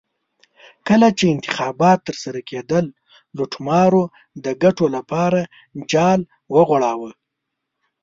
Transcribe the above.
کله چې انتخابات ترسره کېدل لوټمارو د ګټو لپاره جال وغوړاوه.